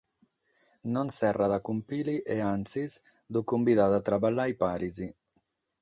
Non serrat cun Pili e antzis lu cumbidat a traballare paris.